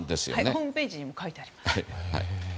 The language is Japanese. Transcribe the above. ホームページにも書いてありました。